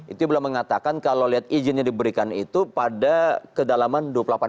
itu belum mengatakan kalau lihat izin yang diberikan itu pada kedalaman dua puluh delapan